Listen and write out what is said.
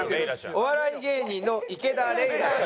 お笑い芸人の池田レイラさん。